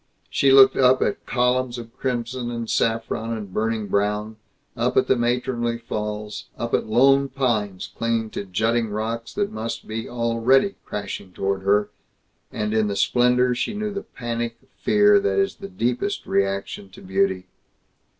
She looked up at columns of crimson and saffron and burning brown, up at the matronly falls, up at lone pines clinging to jutting rocks that must be already crashing toward her, and in the splendor she knew the Panic fear that is the deepest reaction to beauty.